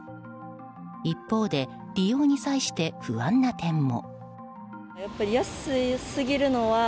一方で、利用に際して不安な点も。